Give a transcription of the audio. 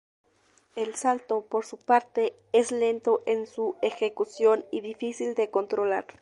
El salto, por su parte, es lento en su ejecución y difícil de controlar.